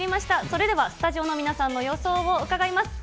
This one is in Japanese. それではスタジオの皆さんの予想を伺います。